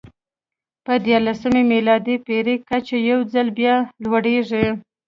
په دیارلسمه میلادي پېړۍ کې کچه یو ځل بیا لوړېږي.